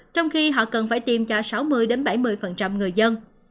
trong khi họ cần phải tiêm cho sáu mươi bảy mươi người dân